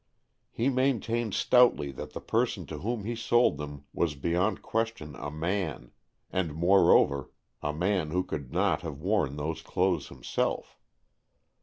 He maintained stoutly that the person to whom he sold them was beyond question a man, and moreover a man who could not have worn those clothes himself.